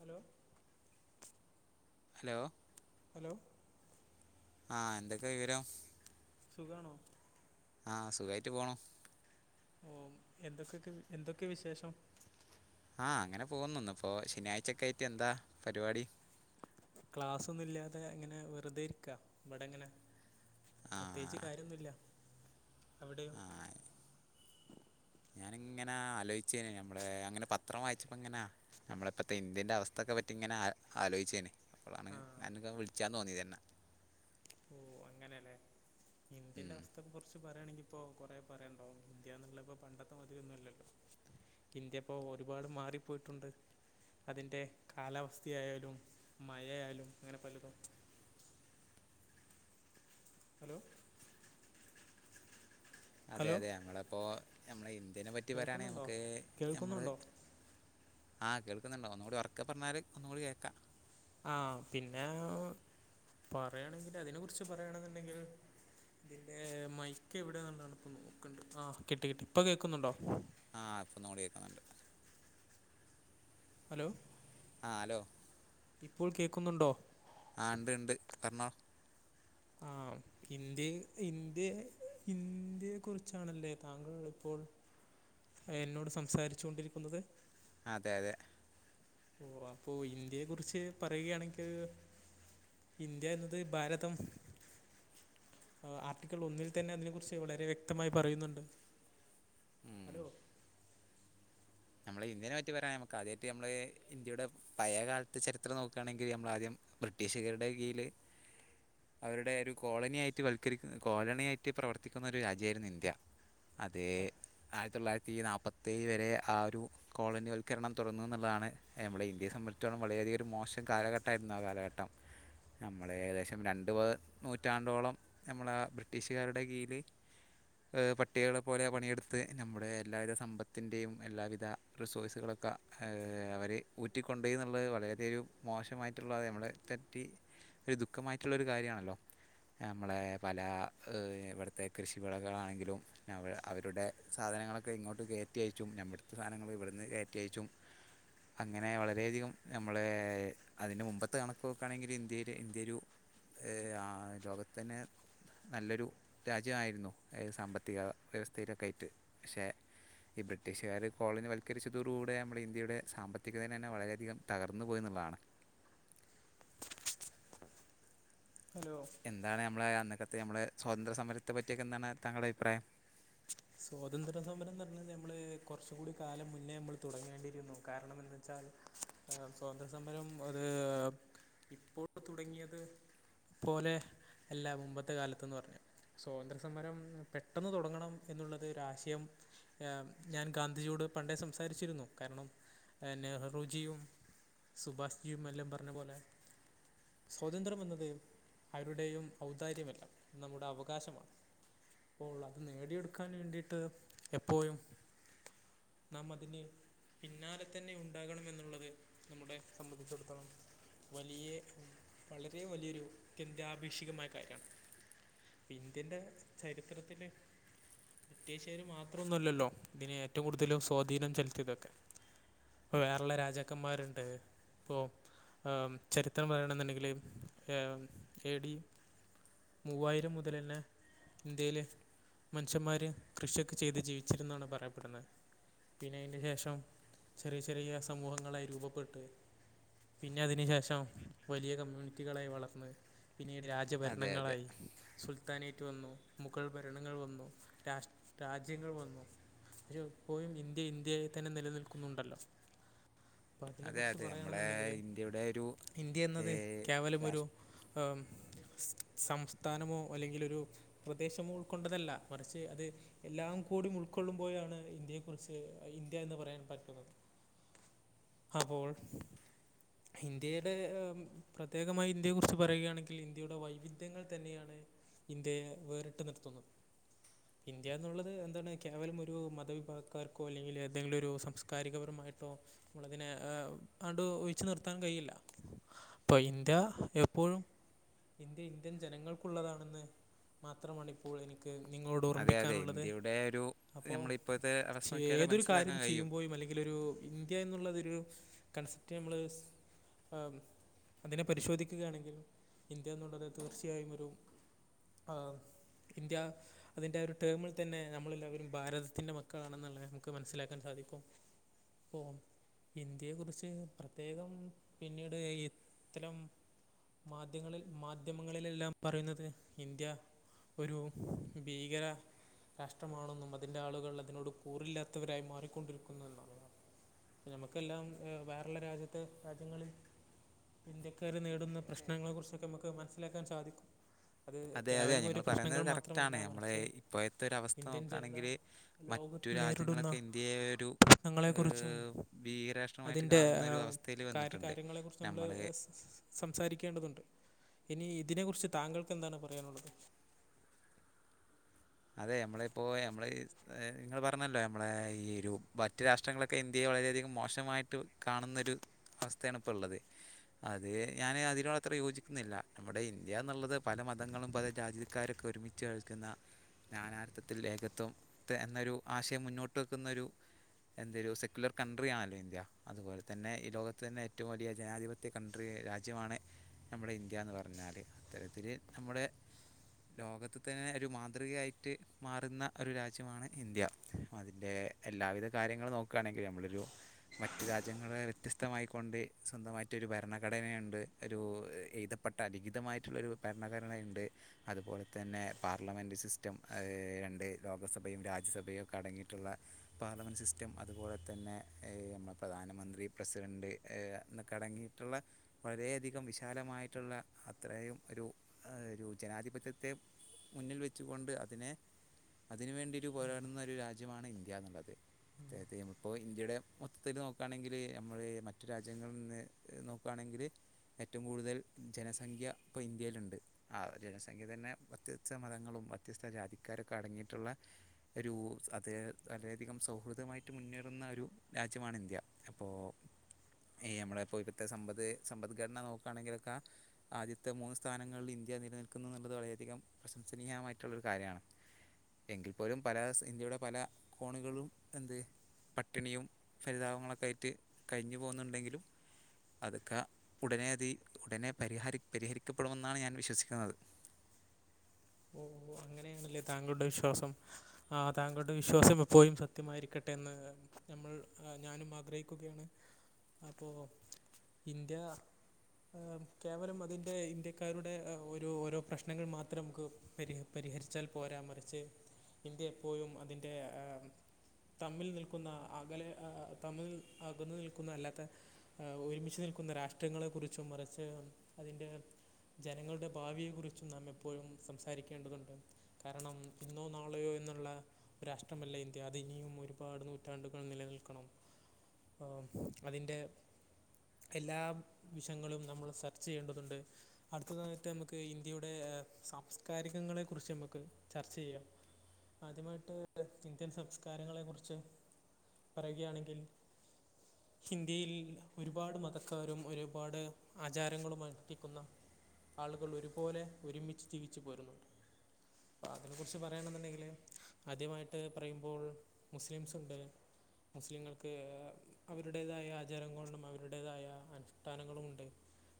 Hello hello hello ആഹ് എന്തൊക്കെ വിവരം സുഖാണോ ആഹ് സുഖായിട്ട് പോണു. ഓ എന്തൊഫ്ക്ക് എന്തൊക്കെ വിശേഷം ആഹ് അങ്ങനെ പോകുന്നു. ഇന്ന്പ്പൊ ശനിയാഴ്ചെക്കേയിട്ട് എന്താ പരിപാടി ക്ലാസ്സൊന്നും ഇല്ലാതെ ഇങ്ങനെ വെറുതെ ഇരിക്കാ ഇവടെങ്ങനെ. ആ പ്രത്യേകിച്ച് കാര്യോന്നുല്ല അവടെയോ ഞാന്ങ്ങനെ ആലോയ്ച്ചെനു ഞമ്മളെ അങ്ങനെ പത്രം വായ്ച്ചപ്പങ്ങനെ- ഞമ്മളെ ഇപ്പത്തെ ഇന്ത്യന്റെ അവസ്ഥേകെ പറ്റി ഇങ്ങനെ ആ ആലോയ്ച്ചേനി അപ്പളാണ് ആ അന്നൊക്കെ വിളിച്ചാംതോന്നിയന്നെ ഓ അങ്ങനെലെ ഉം. ഇന്ത്യന്റെഅവസ്ഥ- ഇന്ത്യനെ കുറിച്ച് പറയാണെങ്കി ഇപ്പൊ കൊറേ പറയണ്ടാവും ഇന്ത്യന്ന്ള്ളഹ് ഇപ്പോ പണ്ടത്തെ മാതിര്യോന്നും അല്ലല്ലോ ഇന്ത്യപ്പൊ ഒരുപാട് മാറിപ്പോയിട്ടുണ്ട് അതിന്റെ കാലാവസ്ഥയായാ ലും മഴയായാ ലും അങ്ങനെ പലതും ഹലോ അതെ ഹലോ അതെ ഞമ്മളപ്പോ നമ്മളെ ഇന്ത്യനെ പറ്റി പറയാണെങ്കൽ കേൾക്കുന്നുണ്ടോ നമുക്ക് നഞമ്മള്. കേൾക്കുന്നുണ്ടോ ആഹ് കേൾക്കുന്നുണ്ട്ഒന്നുകൂടി ഉറക്കെ പറഞ്ഞല് ഒന്നുകൂടി കേൾക്കാം. ആഹ് പിന്നെ പറയയാണെങ്കിൽ അതിനെ കുറിച്ച് പറയണെന്നുണ്ടെങ്കിൽ ഇതിന്റെ മൈക്ക് എവിടെന്ന്ള്ള പ്പം നോക്കട്ടെ ആ കിട്ടി കി ട്ടി ഇപ്പൊ കേൾക്കുന്നുണ്ടോ ആഹ് ഇപ്പോ ഒന്നും കൂടികേക്കുന്നുണ്ട് ഹലോ ആഹ് ഹലോ. ഇപ്പോൾ കേൾക്കുന്നുണ്ടോ ആഹ് ണ്ട് ണ്ട് പർഞ്ഞോ ഇന്ത്യെ ഇന്ത്യ ഇന്ത്യയെ കുറിച്ചാണല്ലേ താങ്കൾ ഇപ്പോൾ എന്നോട് സംസാരിച്ചു കൊണ്ടിരിക്കുന്നത് അതെ അതെ ഓ അപ്പൊ ഇന്ത്യയെ കുറിച്ച് പറയുകയാണെങ്കിൽ ഇന്ത്യ എന്നത് ഭാരതം ആർട്ടിക്കൾ ഒന്നിൽ തന്നെ അതിനെ കുറിച്ച് വളരെ വ്യക്തമായി പറയുന്നുണ്ട് ഉം. ഹലോ നമ്മളെ ഇന്ത്യെ പറ്റി പറിയാ നമുക്ക് ആദ്യമായിട്ട് നമ്മള് ഇന്ത്യയുടെ. പഴയ കാലത്ത് ചരിത്രം നോക്കുകയാണെങ്കിൽ നമ്മളാദ്യം ബ്രിട്ടീഷുകരുടെ കീഴില്. അവരുടെ ഒരു കോളനിയായിട്ട് വൽക്കരിക്ക കോളനി യ ആയിട്ട് പ്രവർത്തിക്കുന്ന ഒരു രാജ്യയിരുന്നു ഇന്ത്യ. അതെ ആയിരത്തി തൊള്ളായിരത്തി നാല്പത്തിേഏഴ് വരെ ആ ഒരു കോളനി വൽക്കരണം തുടർന്ന് ന്നുള്ളതാണ് നമ്മളെ ഇന്ത്യെബന്ധിച്ചോളം വളരെയധികം ഒരു മോശം കാലഘട്ടമായിരുന്നു ആ കാലഘട്ടം. നമ്മള് ഏകദേശം രണ്ടു പ നൂറ്റാണ്ടോളം. നമ്മള ആ ബ്രിട്ടീഷുകാരുടെ കീഴില്. പട്ടി കളെ പോലെ പണിയെടുത്ത് നമ്മുടെ എല്ലാവിധ സമ്പത്തിൻ്റെയും എല്ലാവിധ. ഇതാ റിസോയ്സുകളൊക്കെ അവരെ ഊറ്റിക്കൊണ്ടുപോയി എന്നുള്ളത് വളരെയധിക ഒരു മോശമായിട്ടുള്ളത് നമ്മുടെ. തറ്റി ഒരു ദുഃഖമായിട്ടുള്ള ഒരു കാര്യമാണല്ലോ നമ്മളുടെ പല ഇവിടുത്തെ കൃഷി വിളകളാണെങ്കിലും. അവരുടെ സാധനങ്ങളൊക്കെ ഇങ്ങോട്ട് കയറ്റിയച്ചും നമ്മടുത്തെ സാധനങ്ങൾ ഇവിടുന്ന് കയറ്റി അയച്ചും. അങ്ങനെ വളരെയധികം നമ്മളെ അതിന്റെ മുമ്പത്തെ കണക്ക് വെക്കുകയാണെങ്കിൽ ഇന്ത്യെ ഇന്ത്യ. ഏ ആ ലോകത്തെന്നെ. നല്ലൊരു രാജ്യമായിരുന്നു സാമ്പത്തിക വ്യവസ്ഥയിലൊക്കെ ആയിട്ട് പക്ഷേ. ഈ ബ്രിട്ടീഷ് കാര് കോളേന്ന് വൽക്കരിച്ചതോടുകൂടെ നമ്മൾ ഇന്ത്യയുടെ സാമ്പത്തികന തന്നെ വളരെയധികം തകർന്നു പോയി എന്നുള്ളതാണ്. ഹലോ എന്താണ് നമ്മെ അന്നക്കത്തെ നമ്മള് സ്വാതന്ത്ര സമരത്തെ പറ്റിയൊക്കെ എന്താണ് താങ്കുടെ അഭിപ്രായം? സ്വാതന്ത്ര്യ സമരം പറഞ്ഞാൽ നമ്മൾ കുറച്ച കൂടി കാലം മുന്നേ നമ്മൾ തുടങ്ങേണ്ടിയിരുന്നു കാരണം എന്തെന്ന് വെച്ചാൽ. ആ സ്വാതന്ത്ര്യ സമരം അത് ഇപ്പോൾ തുടങ്ങിയത്. പോലെ അല്ല മുമ്പത്തെ കാലത്ത്ന്ന് പറഞ്ഞ സ്വാതന്ത്ര്യ സമരം പെട്ടെന്ന് തുടങ്ങണം. എന്നുള്ളത് ഒരു ആശയം ഞാൻ ഗാന്ധിജിയോട് പണ്ടേ സംസാരിച്ചിരുന്നു കാരണം. നെഹ്റുജിയും സുഭാഷ്ജിയും എല്ലാം പറഞ്ഞ പോലെ. സ്വാതന്ത്ര്യം എന്നതയും അവരുടെയും ഔദാര്യമല്ല നമ്മുടെ അവകാശമാണ്. പ്പോള്ള അത് നേടിയെടുക്കാൻ വേണ്ടീട്ട് എപ്പോ ഴും. നാം അതിന്. പിന്നാലെ തന്നെ ഉണ്ടാകണം എന്നുള്ളത് നമ്മുടെ സംബന്ധിച്ചിടത്തോളം. വലിയ വളരെ വലിയൊരു ഗദ്യാ ഭിഷകമായ കാര്യമാണ്. ഇന്ത്യന്റെ ചരിത്രത്തില്. ബ്രിട്ടീഷുകാര് മാത്രം ഒന്നുമല്ലല്ലോ ഇതിന് ഏറ്റവും കൂടുതലും സ്വാധീനം ചെലുത്തിയതൊക്കെ ഇപ്പ വേറള്ള രാജാക്കന്മാരുണ്ട് ഇപ്പൊ ആ ചരിത്രം പറയണെന്നുണ്ടെങ്കില് എ ഡി മൂവായിരം മുതൽ തന്നെ ഇന്ത്യയിലെ പുച്ചന്മാര് കൃഷിയൊക്കെ ചെയ്ത് ജീവിച്ചിരുന്നാണ് പറയപ്പെടുന്നത് പിന്നെ അതിന് ശേഷം ചെറിയ ചെറിയ സമൂഹങ്ങളായി രൂപപ്പെട്ട് പിന്നെ അതിന് ശേഷം വലിയ കമ്മ്യൂണിറ്റികളായി വളർന്ന് പിന്നീട് രാജ അതെ അതെ രാജഭരണങ്ങളായി സുൽത്താനേറ്റ് വന്നു മുഗൾ ഭരണങ്ങൾ വന്നു രാഷ രാജ്യങ്ങൾ വന്നു പക്ഷെ ഇപ്പോഴും ഇന്ത്യ ഇന്ത്യയെ തന്നെ നിലനിൽക്കുന്നുണ്ടല്ലോ യെസ് അപ്പം അതിനെക്കുറിച്ച് പറയണെന്നുണ്ടെങ്കിൽ ഒരു ഇന്ത്യ എന്നത് കേവലമ രാഷ്ട്ര ഒരു സംസ്ഥാനമോ അല്ലെങ്കിൽൊ ഒരു പ്രദേശമോ ഉൾക്കൊണ്ടതല്ല മറിച്ച് അത് എല്ലാം കൂടി ഉൾക്കൊള്ളുമ്പോഴാണ് ഇന്ത്യയെ കുറിച്ച് ഇന്ത്യ എന്ന് പറയാൻ പറ്റുന്നത് അപ്പോൾ ഇന്ത്യയുടെ പ്രത്യേകമായി ഇന്ത്യയെ കുറിച്ച് പറയുകയാണെങ്കിൽ ഇന്ത്യയുടെ വൈവിധ്യങ്ങൾ തന്നെയാണ് ഇന്ത്യയെ വേറിട്ട് നിർത്തുന്നത് ഇന്ത്യ എന്നുള്ളത് എന്താണ് കേവലം ഒരു മതവിഭാഗക്കാർക്കോ അല്ലെങ്കിൽ ഏതെങ്കിലും ഒരു സാംസ്കാരികപരമായിട്ടോ നമ്മളതിനെ അടു ഒഴിച്ചു നിർത്താൻ കഴിയില്ല അപ്പൊ ഇന്ത്യ എപ്പോഴും ഇന്ത്യ ഇന്ത്യൻ ജനങ്ങൾക്കുള്ളതാണെന്ന് മാത്രമാണ് ഇപ്പോൾ എനിക്ക് നിങ്ങളോട് അതെ അതെ ഓർമ്മിപ്പിക്കാനുള്ളത് ഇന്ത്യയുടെ ഒരു അപ്പോ നമ്മളെ ഇപ്പോഴത്തെ അവസ്ഥ ചെ നോക്കിയാലേ ഏതൊരു മനസ്സിലാക്കാൻ കാര്യം കഴിയും ചെയ്യുമ്പോഴും അല്ലെങ്കി ല് ഒരു ഇന്ത്യ എന്നുള്ളതൊരു കൺസെപ്റ്റ് നമ്മള് അതിനെ പരിശോധിക്കുകയാണെങ്കിൽ ഇന്ത്യ എന്നുള്ളത് തീർച്ചയായും ഒരു ആഹ് ഇന്ത്യ അതിന്റെ ഒരു ടേമിൽ തന്നെ നമ്മളെല്ലാവരും ഭാരതത്തിന്റെ മക്കളാണെന്നുള്ളത് നമുക്ക് മനസ്സിലാക്കാൻ സാധിക്കും ഓം ഇന്ത്യയെ കുറിച്ച് പ്രത്യേകം പിന്നീട് ഇത്തരം മാധ്യങ്ങളിൽ മാധ്യമങ്ങളിലെല്ലാം പറയുന്നത് ഇന്ത്യ ഒരു ഭീകര രാഷ്ട്രമാണെന്നും അതിന്റെ ആളുകൾ അതിനോട് കൂറില്ലാത്തവരായി മാറിക്കൊണ്ടിരിക്കുന്നു എന്നുള്ളതാണ് ഇപ്പം നമുക്കെല്ലാം വേറുള്ള രാജ്യത്ത് രാജ്യങ്ങളിൽ ഇന്ത്യക്കാര് നേ രിടുന്ന പ്രശ്നങ്ങളെ കുറിച്ചൊക്കെ നമുക്ക് മനസ്സിലാക്കാൻ സാധിക്കും അത് കേവലം ഒരു പ്രശ്നങ്ങൾ മാത്രമല്ല നമ്മടെ മറിച്ച് ഇപ്പോഴത്തെ ഒരവസ്ഥ ഇന്ത്യൻ ജനത നോക്കുകയാണെങ്കില് മറ്റ് രാജ്യങ്ങളൊക്കെ ഇന്ത്യയെ ഒരു പ്രശ്നങ്ങളെ കുറിച്ചും ഏഹ് ഭീകരാഷ്ട്രമായിട്ട് അതിന്റെ കാണുന്ന ഒരു അവസ്ഥയിൽ വന്നിട്ടുണ്ട് കാര്യകാര്യങ്ങളെ കുറിച്ചും നമ്മള് നമ്മൾ സംസാരിക്കേണ്ടതുണ്ട് ഇനി ഇതിനെ കുറിച്ച് താങ്കൾക്ക് എന്താണ് പറയാനുള്ളത് അതെ ഞമ്മളെ ഇപ്പോ ഞമ്മളെ നിങ്ങള് പറഞ്ഞല്ലോ നമ്മളെ ഈ ഒരു മറ്റ് രാഷ്ട്രങ്ങളൊക്കെ ഇന്ത്യയെ വളരെയധികം മോശമായിട്ട് കാണുന്നൊരു അവസ്ഥയാണ് ഇപ്പ ഉള്ളത് അത് ഞാന് അതിനോട് അത്ര യോജിക്കുന്നില്ല നമ്മുടെ ഈ ഇന്ത്യ എന്നുള്ളത് പല മതങ്ങളും പല രാജ്യക്കാരൊക്കെ ഒരുമിച്ച് കേൾക്കുന്ന നാനാർത്ഥത്തിൽ ഏകത്വം എന്നൊരു ആശയം മുന്നോട്ട് വക്കുന്ന ഒരു എന്തൊ ഒരു സെക്കുലർ കൺട്രി ആണല്ലോ ഇന്ത്യ അതുപോലെ തന്നെ ഈ ലോകത്ത് തന്നെ ഏറ്റവും വലിയ ജനാധിപ ത്യ കൺട്രി രാജ്യമാണ് നമ്മുടെ ഇന്ത്യാന്ന് പറഞ്ഞാല് അത്തരത്തില് നമ്മുടെ ലോകത്ത് തന്നെ ഒരു മാതൃകയായി ട്ട് മാറുന്ന ഒരു രാജ്യമാണ് ഇന്ത്യ അതിന്റെ എല്ലാവിധ കാര്യങ്ങളും നോക്കുയാണെങ്കിൽ നമ്മളൊരു മറ്റു രാജ്യങ്ങളെ വ്യത്യസ്തമായിക്കൊണ്ട് സ്വന്തമായിട്ടൊരു ഭരണഘടനയുണ്ട് ഒരു എഴുതപ്പെട്ട അലിഖിതമായിട്ടുള്ള ഒരു ഭരണഘടനയുണ്ട് അതുപോലെ തന്നെ പാർലമെന്റ് സി സ്റ്റം രണ്ട് ലോകസഭയും രാജ്യസഭയും ഒക്കെ അടങ്ങിയിട്ടുള്ള പാർലമെന്റ് സിസ്റ്റം അതുപോലെ തന്നെ ഏ നമ്മടെ പ്രധാനമന്ത്രി പ്രസിഡന്റ് ഏ എന്നൊക്കെ അടങ്ങിയിട്ടുള്ള വളരെയധികം വിശാലമായിട്ടുള്ള അത്രയും ഒരു ഒരു ജനാധിപത്യത്തെ മുന്നിൽ വെച്ചുകൊണ്ട് അതിനെ അതിന്‌ വേണ്ടിയൊരു പോരാടുന്ന ഒരു രാജ്യമാണ് ഇന്ത്യാന്നുള്ളത് അതായത് നമ്മളിപ്പോ ഇന്ത്യയുടെ മൊത്തത്തിൽ നോക്കുവാണെങ്കില് നമ്മള് മറ്റു രാജ്യങ്ങളിൽ നിന്ന് നോക്കുവാണെങ്കില് ഏറ്റവും കൂടുതൽ ജനസംഖ്യ ഇപ്പ ഇന്ത്യയിലുണ്ട് ആഹ് ജനസംഖ്യ തന്നെ വ്യത്യസ്ത മതങ്ങളും വ്യത്യസ്ത ജാതിക്കാരുമൊക്കെ അടങ്ങിയിട്ടുള്ള ഒരു അത് വളരെയധികം സൗഹൃദമായിട്ട് മുന്നേറുന്ന ഒരു രാജ്യമാണ് ഇന്ത്യ അപ്പോ ഈ നമ്മടെ ഇപ്പോ ഇപ്പത്തെ സമ്പദ് സമ്പദ്ഘടന നോക്കുകയാണെങ്കിലൊക്കെ ആദ്യത്തെ മൂന്ന് സ്ഥാനങ്ങളിൽ ഇന്ത്യ നിലനിൽക്കുന്നു എന്നുള്ളത് വളരെയധികം പ്രശംസനീയമായിട്ടുള്ളൊരു കാര്യാണ് എങ്കിൽ പോലും പല ഇന്ത്യയുടെ പല കോണുകളിലും എന്ത് പട്ടിണിയും ഫരിതാപങ്ങളൊക്കെ ആയിട്ട് കഴിഞ്ഞു പോകുന്നുണ്ടെങ്കിലും അതൊക്കെ ഉടനെ അതി ഉടനെ പരിഹരി പരിഹരിക്കപ്പെടുമെന്നാണ് ഞാൻ വിശ്വസിക്കുന്നത് ഓഹ് ഓഹ് അങ്ങനെയണല്ലെ താങ്കളുടെ വിശ്വാസം ആഹ് താങ്കളുടെ വിശ്വാസം എപ്പോഴും സത്യമായിരിക്കട്ടെ എന്ന് നമ്മൾ ഞാനും ആഗ്രഹിക്കുകയാണ് അപ്പോ ഇന്ത്യ കേവലം അതിൻ്റെ ഇന്ത്യക്കാരുടെ ഓരോ ഓരോ പ്രശ്നങ്ങൾ മാത്രം നമുക്ക് പരി പരിഹരിച്ചാൽ പോരാ മറിച്ച് ഇന്ത്യ എപ്പോഴും അതിൻ്റെ തമ്മിൽ നിൽക്കുന്ന അകലെ തമ്മിൽ അകന്ന് നിൽക്കുന്ന അല്ലാത്തെ ഒരുമിച്ച് നിൽക്കുന്ന രാഷ്ട്രങ്ങളെ കുറിച്ചും മറിച്ച് അതിന്റെ ജനങ്ങളുടെ ഭാവിയെ കുറിച്ചും നാം എപ്പോഴും സംസാരിക്കേണ്ടതുണ്ട് കാരണം ഇന്നോ നാളെയോ എന്നുള്ള രാഷ്ട്രമല്ല ഇന്ത്യ അതിനിയും ഒരുപാട് നൂറ്റാണ്ടുകൾ നിലനിൽക്കണം ആഹ് അതിന്റെ എല്ലാ വിഷയങ്ങളും നമ്മൾ സെർച്ച് ചെയ്യേണ്ടതുണ്ട് അടുത്തതായിട്ട് നമുക്ക് ഇന്ത്യയുടെ സാംസ്കാരികങ്ങളെ കുറിച്ച് നമുക്ക് ചർച്ച ചെയ്യാം ആദ്യമായിട്ട് ഇന്ത്യൻ സംസ്കാരങ്ങളെ കുറിച്ച് പറയുകയാണെങ്കിൽ [inaudible] ഇന്ത്യയിൽ ഒരുപാട് മതക്കാരും ഒരുപാട് ആചാരങ്ങളും അനുഷ്ഠിക്കുന്ന ആളുകൾ ഒരു പോലെ ഒരുമിച്ച് ജീവിച്ച് പോരുന്നു അപ്പോ അതിനെ കുറിച്ച് പറയാണെന്നുണ്ടെങ്കില് ആദ്യമായിട്ട് പറയുമ്പോൾ മുസ്ലിംസ് ഉണ്ട് മുസ്ലിങ്ങൾക്ക് അവരുടേതായ ആചാരങ്ങളും അവരുടേതായ അനുഷ്ഠാനങ്ങളുമുണ്ട്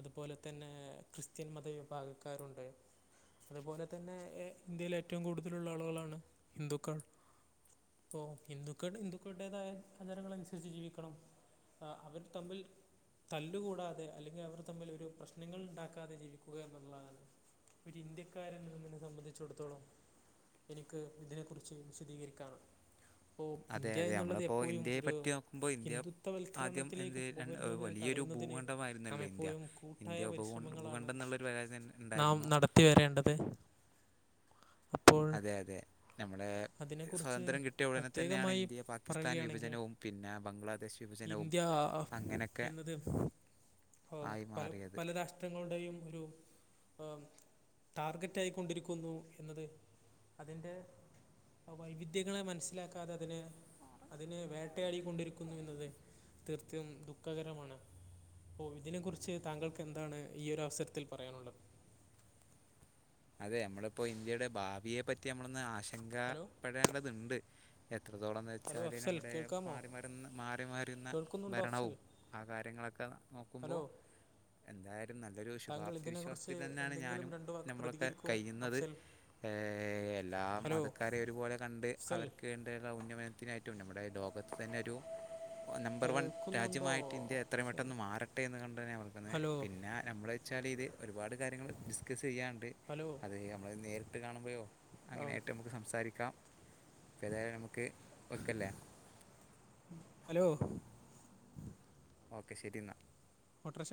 അതുപോലെ തന്നെ ക്രിസ്ത്യൻ മതവിഭാഗക്കാരുണ്ട് അതുപോലെ തന്നെ ഇന്ത്യയിൽ ഏറ്റവും കൂടുതലുള്ള ആളുകളാണ് ഹിന്ദുക്കൾ അപ്പൊ ഹിന്ദുക്കൾ ഹിന്ദുക്കളടേതായ ആചാരങ്ങൾ അനുസരിച്ച് ജീവിക്കണം ആഹ് അവർ തമ്മിൽ തല്ലുകൂടാതെ അല്ലെങ്കിൽ അവർ തമ്മിൽ ഒരു പ്രശ്നങ്ങൾ ഉണ്ടാക്കാതെ ജീവിക്കുക എന്നുള്ളതാണ് ഒരു ഇന്ത്യക്കാരൻ ഇങ്ങന ഒന്നിനെ സംബന്ധിച്ചട്ത്തോളം എനിക്ക് ഇതിനെ കുറിച്ച് വിശദീകരിക്കാനും അപ്പോ അതെ ഇന്ത്യ അതെ എന്നുള്ളത് നമ്മളിപ്പോൾ എപ്പോഴും ഇന്ത്യയെ ഒരു പറ്റി നോക്കുമ്പോൾ ഇന്ത്യ ആദ്യം ഹിന്ദുത്വവൽക്കരണത്തിലേക്ക് എന്ത് രണ്ട് മുതിരുന്നതിന് വലിയൊരു തടയുന്നതിന് നാം ഭൂഖണ്ഡമായിരുന്നല്ലോ ഇന്ത്യ എപ്പോഴും കൂട്ടായ ഇന്ത്യ ഉപഭൂ പരിശ്രമങ്ങളാണ് ഭൂഖണ്ഡം എന്നുള്ളൊരു പരാതി തന്നെ നാം ഉണ്ടായിരുന്നു നട ത്തി വരേണ്ടത് അപ്പോൾ അതെ അതെ നമ്മള് അതിനെക്കുറിച്ച് സ്വാതന്ത്ര്യം കിട്ടിയ ഉടനെ തന്നെയാണ് പ്രത്യേകമായി ഇന്ത്യ പാകിസ്ഥാൻ പറയുകയാണെങ്കിൽ വിഭജനവും പിന്നെ ബംഗ്ലാദേശ് വിഭജനവും ഇന്ത്യ അങ്ങനെക്കെ ഇപ്പം പല പല രാഷ്ട്രങ്ങളുടെയും ഒരു ഉം ടാർഗറ്റ് ആയിക്കൊണ്ടിരിക്കുന്നു എന്നത് അതിൻ്റെ ആ വൈവിധ്യങ്ങളെ മനസ്സിലാക്കാതെ അതിന് അതിനെ വേട്ടയാടി കൊണ്ടിരിക്കുന്നു എന്നത് തീർത്തും ദുഃഖകരമാണ് ഇപ്പോ ഇതിനെ കുറിച്ച് താങ്കൾക്ക് എന്താണ് ഈ ഒരു അവസരത്തിൽ പറയാനുള്ളത് അതെ അമ്മളിപ്പോ ഇന്ത്യയുടെ ഭാവിയെ പറ്റി നമ്മളൊന്ന് ആശങ്ക ഹലോ പെടേണ്ടത്ണ്ട് എത്രത്തോളന്ന് ഹലോ വെച്ചാല് അഫ്സൽ നമ്മുടെ കേൾക്കാമോ മാറി മരുന്ന് മാറി മാറി വരുന്ന കേൾക്കുന്നുണ്ടോ അഫ്സൽ ഭരണവും ആഹ് കാര്യങ്ങളൊക്കെ ഹലോ നോക്കുമ്പോൾ എന്തായാലും നല്ലൊരു താങ്കൾ ശുഭാപ്തി ഇതിനെക്കുറിച്ച് വിശ്വാസത്തിൽ തന്നെയാണ് എന്തെങ്കിലും ഞാനും രണ്ട് വാക്ക് നമ്മളൊക്കെ പ്രതികരിക്കൂ കഴിയുന്നത് അഫ്സൽ ഏഹ് എല്ലാ ഹലോ മതക്കാരെം ഒരുപോലെ കണ്ട് അഫ്സൽ അവർക്ക് വേണ്ടയുള്ള ഉന്നമനത്തിനായി ഏറ്റവും നമ്മുടെ ലോകത്ത് തന്നെ ഒരു നമ്പർ വൺ കേൾക്കുന്നുണ്ടോ രാജ്യമായിട്ട് ഇന്ത്യ എത്രയും അഫ്സൽ പെട്ടെന്ന് മാറട്ടെ എന്ന് കണ്ടന്നെയ വളക്കുന്നേ ഹലോ പിന്നെ നമ്മള് ച്ചാല് ഇത് ഒരുപാട് കാര്യങ്ങള് ഡിസ്കസ് ചെയ്യാൻണ്ട് ഹലോ അത് ഞമ്മള് നേരിട്ട് കാണുമ്പഴോ ആ, അങ്ങനായിട്ട് നമുക്ക് സംസാരിക്കാം ഇപ്പ ഏതായാലും നമുക്ക് വെക്കല്ലേ ഹലോ ഓക്കെ ശരി എന്നാ ഓട്ടർഷ